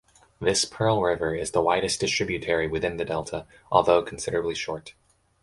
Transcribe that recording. This Pearl River is the widest distributary within the delta, although considerably short.